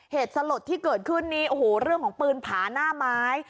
สลดที่เกิดขึ้นนี้โอ้โหเรื่องของปืนผาหน้าไม้